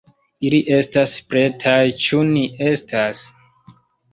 Ili estas pretaj, ĉu ni estas?